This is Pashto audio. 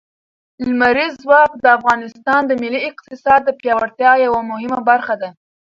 لمریز ځواک د افغانستان د ملي اقتصاد د پیاوړتیا یوه مهمه برخه ده.